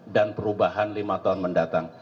perubahan lima tahun mendatang